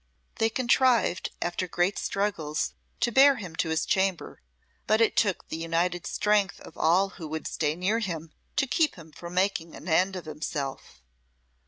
They contrived, after great strugglings, to bear him to his chamber, but it took the united strength of all who would stay near him to keep him from making an end of himself.